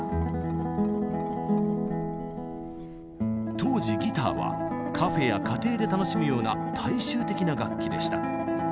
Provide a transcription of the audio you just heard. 当時ギターはカフェや家庭で楽しむような大衆的な楽器でした。